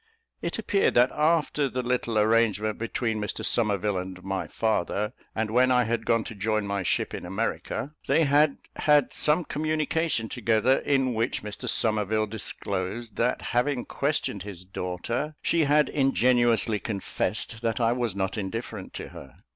It appeared that after the little arrangement between Mr Somerville and my father, and when I had gone to join my ship in America, they had had some communication together, in which Mr Somerville disclosed, that having questioned his daughter, she had ingenuously confessed that I was not indifferent to her.